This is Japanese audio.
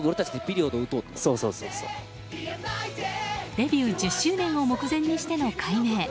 デビュー１０周年を目前にしての改名。